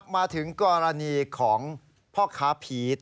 มาถึงกรณีของพ่อค้าพีช